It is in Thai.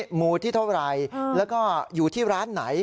หมู่ที่เท่าไหร่แล้วก็อยู่ที่ร้านไหน